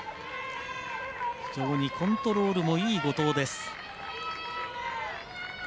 非常にコントロールもいい後藤です。